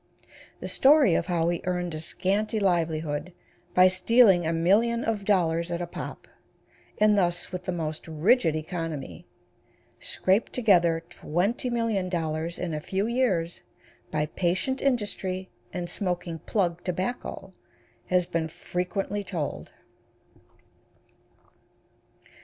The story of how he earned a scanty livelihood by stealing a million of dollars at a pop, and thus, with the most rigid economy, scraped together $20,000,000 in a few years by patient industry and smoking plug tobacco, has been frequently told.